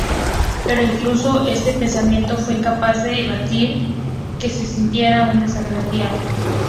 Pero incluso este pensamiento fue incapaz de evitar que se sintiera un desgraciado.